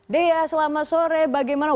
dea selamat sore bagaimana